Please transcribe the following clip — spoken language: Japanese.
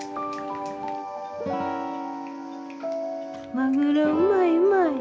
マグロうまいうまい。